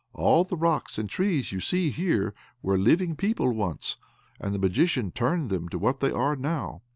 All the rocks and trees you see here were living people once, and the Magician turned them to what they now are.